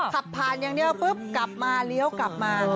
ขับผ่านอย่างเดียวปุ๊บกลับมาเลี้ยวกลับมา